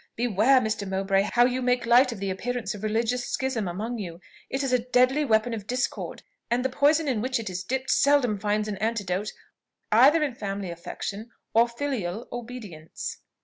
Beware, Mr. Mowbray, how you make light of the appearance of religious schism among you: it is a deadly weapon of discord, and the poison in which it is dipped seldom finds an antidote either in family affection or filial obedience."